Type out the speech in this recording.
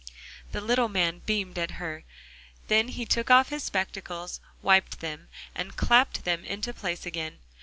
The little man beamed at her. Then he took off his spectacles, wiped them, and clapped them into place again.